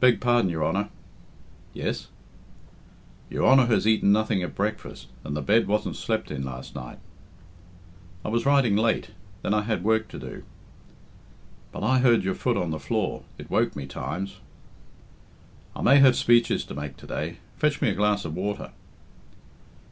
"Beg pardon, your honor " "Yes?" "Your honour has eaten nothing at breakfast and the bed wasn't slept in last night." "I was riding late then I had work to do." "But I heard your foot on the floor it woke me times." "I may have speeches to make to day.... Fetch me a glass of water."